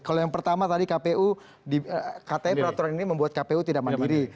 kalau yang pertama tadi kpu katanya peraturan ini membuat kpu tidak mandiri